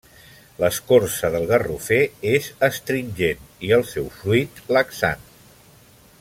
L'escorça del garrofer és astringent i el seu fruit, laxant.